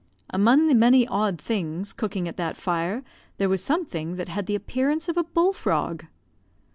Among the many odd things cooking at that fire there was something that had the appearance of a bull frog.